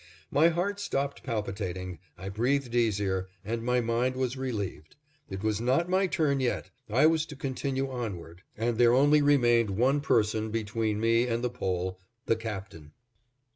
My heart stopped palpitating, I breathed easier, and my mind was relieved. It was not my turn yet, I was to continue onward and there only remained one person between me and the Pole the Captain.